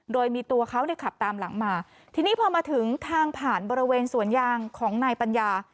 โดยมีตัวเขาเนี่ยขับตามหลังมาทีนี้พอมาถึงทางผ่านบริเวณสวนยางของนายปัญญา